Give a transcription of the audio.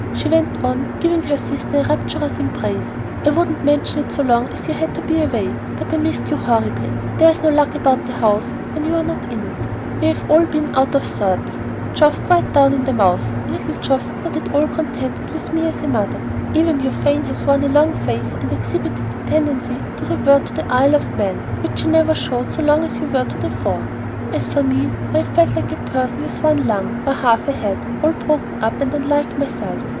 she went on, giving her sister a rapturous embrace. "I wouldn't mention it so long as you had to be away, but I have missed you horribly. 'There's no luck about the house' when you are not in it. We have all been out of sorts, Geoff quite down in the mouth, little Geoff not at all contented with me as a mother; even Euphane has worn a long face and exhibited a tendency to revert to the Isle of Man, which she never showed so long as you were to the fore. As for me, I have felt like a person with one lung, or half a head, all broken up, and unlike myself.